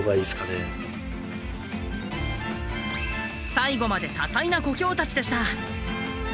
最後まで多彩な小兵たちでした。